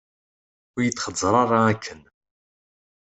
Ur yi-d-xeẓẓer ara akken.